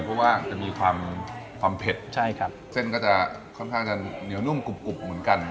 เพราะว่าจะมีความความเผ็ดใช่ครับเส้นก็จะค่อนข้างจะเหนียวนุ่มกรุบเหมือนกัน